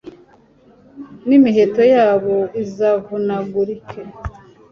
n'imiheto yabo izavunagurike